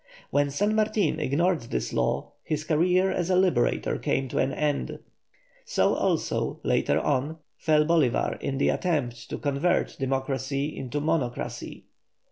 When San Martin ignored this law, his career as a liberator came to an end. So also, later on, fell Bolívar in the attempt to convert democracy into monocracy.